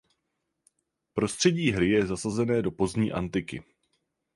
Prostředí hry je zasazené do pozdní antiky.